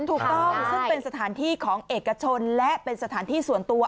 ถูกต้องซึ่งเป็นสถานที่ของเอกชนและเป็นสถานที่ส่วนตัว